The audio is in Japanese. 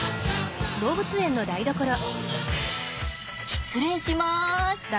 失礼します。